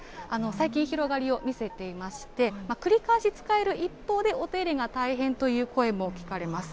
最近、広がりを見せていまして、繰り返し使える一方で、お手入れが大変という声も聞かれます。